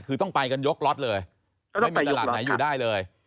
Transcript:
คือต้องไปกันยกล็อตเลยไม่มีตลาดไหนอยู่ได้เลย